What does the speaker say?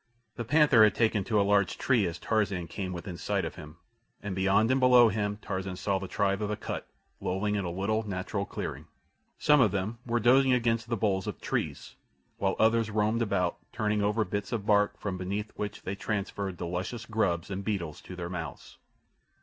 The panther had taken to a large tree as Tarzan came within sight of him, and beyond and below him Tarzan saw the tribe of Akut lolling in a little, natural clearing. Some of them were dozing against the boles of trees, while others roamed about turning over bits of bark from beneath which they transferred the luscious grubs and beetles to their mouths.